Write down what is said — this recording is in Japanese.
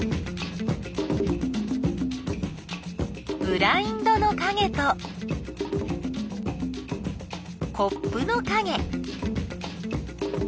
ブラインドのかげとコップのかげ。